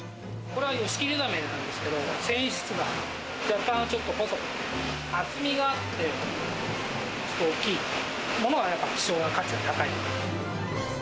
これはヨシキリザメなんですけど、繊維質が若干ちょっと細く、厚みがあって、大きいものは希少な価値が高い。